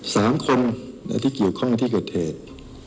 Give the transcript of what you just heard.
สามคนที่เกี่ยวข้องในที่เกิดเหตุ